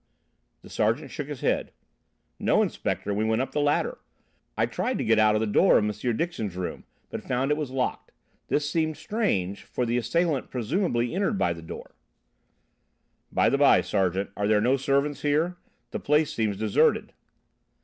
The sergeant shook his head. "No, Inspector. We went up the ladder. I tried to get out of the door of M. Dixon's room, but found it was locked. This seemed strange, for the assailant presumably entered by the door." "By the by, Sergeant, are there no servants here? The place seems deserted."